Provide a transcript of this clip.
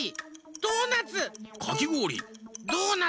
ドーナツ。